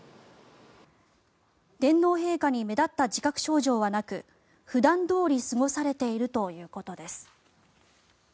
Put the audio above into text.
天皇陛下に目立った自覚症状はなく普段どおり過ごされているということです。